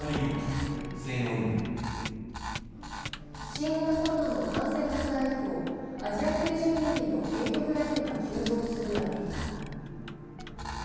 新型コロナの感染拡大以降、アジア系住民へのヘイトクライムが急増するアメリカ。